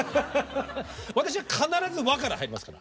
私は必ず「わ」から入りますから。